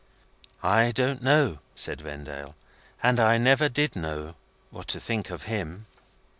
"I don't know," said Vendale, "and I never did know, what to think of him."